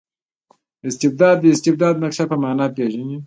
استبداد د استبداد د نقش په مانا پېژني.